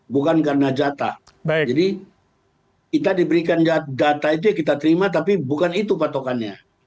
bukan karena jatah jadi kita diberikan data itu yang kita terima tapi bukan itu patokannya